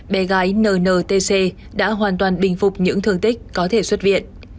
bé gái nntc đã hoàn toàn bình phục những thương tích có thể xuất viện